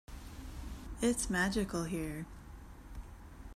It's magical here...